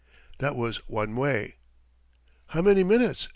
That was one way. "How many minutes?"